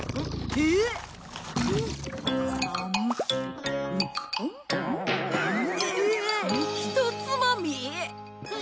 ええっひとつまみ？